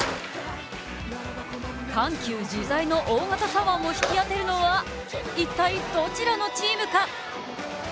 緩急自在の大型左腕を引き当てるのは一体、どちらのチームか！？